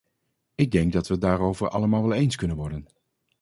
Ik denk dat we het daarover allemaal wel eens kunnen worden.